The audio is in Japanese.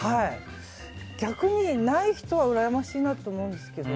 逆にない人はうらやましいなと思いますけど。